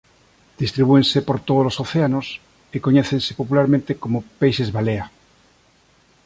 Distribúense por tódolos océanos e coñécense popularmente como "peixes balea".